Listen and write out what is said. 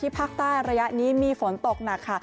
ภาคใต้ระยะนี้มีฝนตกหนักค่ะ